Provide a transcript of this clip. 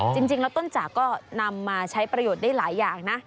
จริงแล้วต้นจากก็นำมาใช้ประโยชน์ได้หลายอย่างนะ